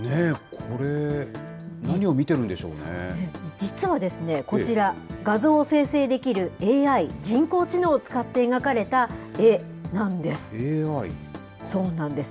これ、何を見てるんでしょう実はですね、こちら、画像を生成できるＡＩ・人工知能を使って描かれた絵なんです。